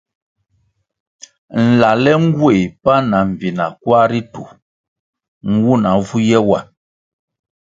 Nlale ngueh pan ma mbpina kwar ritu nwuna vu ye wa.